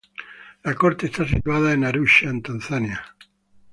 La Corte está situada en Arusha, en Tanzania.